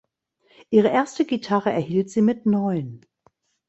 Ihre erste Gitarre erhielt sie mit neun.